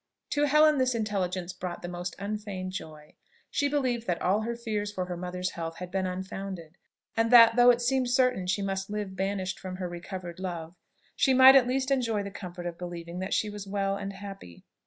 To Helen this intelligence brought the most unfeigned joy. She believed that all her fears for her mother's health had been unfounded; and that, though it seemed certain that she must live banished from her recovered love, she might at least enjoy the comfort of believing that she was well and happy.